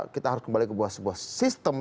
kita harus kembali ke sebuah sistem